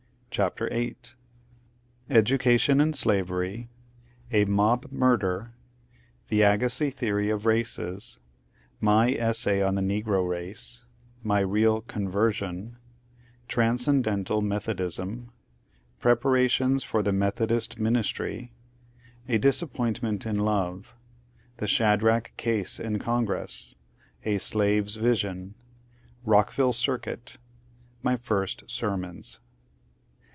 CHAPTER Vni Education and Slayery — A mob murder — The Agaanz theory of raoee — My eway on the Negro race — My real ^ conTersion "— Transcendental Metho diam — Preparation! for the Methodist ministry — A dis^ypointment in Iotc — The Shadrach case in Congress — A slave's visbn — Rookville cironit — My first sermons.